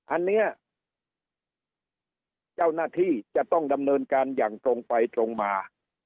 อันนี้เจ้าหน้าที่จะต้องดำเนินการอย่างตรงไปตรงมา